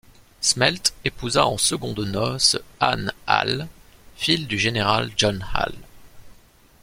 Smelt épousa en secondes noces Anne Hale, fille du général John Hale.